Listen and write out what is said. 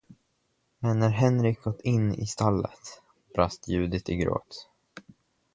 Men när Henrik gått in i stallet, brast Judith i gråt.